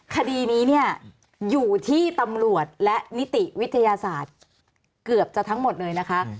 คดีนี้เนี่ยอยู่ที่ตำรวจและนิติวิทยาศาสตร์เกือบจะทั้งหมดเลยนะคะ